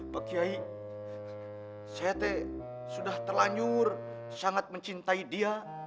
pak kiai ct sudah terlanjur sangat mencintai dia